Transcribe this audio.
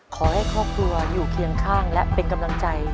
ขอให้ครอบครัวอยู่เคียงข้างและเป็นกำลังใจ